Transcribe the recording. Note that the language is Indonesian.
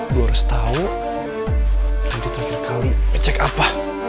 gue harus tahu lady terakhir kali mecek apa